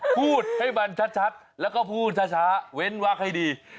พูดให้มันชัดแล้วก็พูดช้าเว้นวักให้ดี